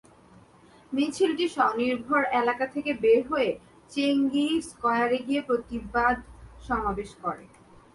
মিছিলটি স্বনির্ভর এলাকা থেকে বের হয়ে চেঙ্গী স্কোয়ারে গিয়ে প্রতিবাদ সমাবেশ করে।